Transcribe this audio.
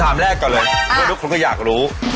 ถามคำถามแรกก่อนเลยทุกคนก็อยากรู้